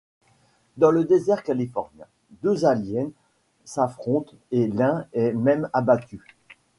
Dans le désert californien, deux aliens s'affrontent et l'un est même abattu.